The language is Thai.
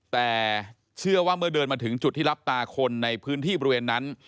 แต่เชื่อว่าเมื่อเดินมาถึงจุดที่รับตาคนในพื้นที่บริเวณนั้น